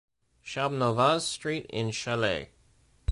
Champnovaz Street in Challex.